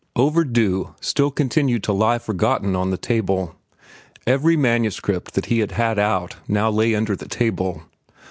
"Overdue" still continued to lie forgotten on the table. Every manuscript that he had had out now lay under the table.